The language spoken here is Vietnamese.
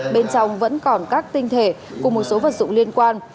bên trong vẫn còn các tinh thể cùng một số vật dụng liên quan